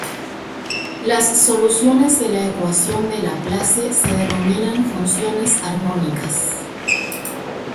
Las soluciones de la ecuación de Laplace se denominan funciones armónicas.